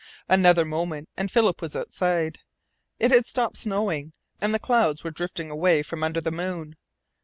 Another moment and Philip was outside. It had stopped snowing, and the clouds were drifting away from under the moon.